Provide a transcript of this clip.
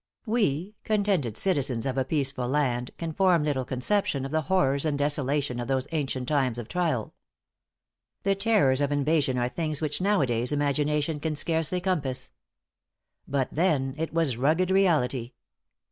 We, contented citizens of a peaceful land, can form little conception of the horrors and desolation of those ancient times of trial. The terrors of invasion are things which nowadays imagination can scarcely compass. But then, it was rugged reality.